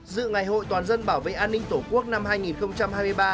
dự ngày hội toàn dân bảo vệ an ninh tổ quốc năm hai nghìn hai mươi ba